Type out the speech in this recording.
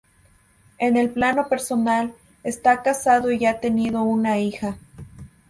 En el plano personal, está casado y ha tenido una hija.